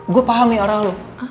gue paham nih arah lo